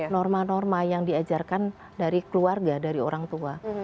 norma norma yang diajarkan dari keluarga dari orang tua